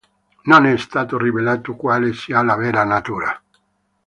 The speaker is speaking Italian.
Non è stato rivelato quale sia la vera natura.